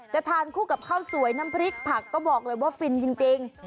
ทานคู่กับข้าวสวยน้ำพริกผักก็บอกเลยว่าฟินจริง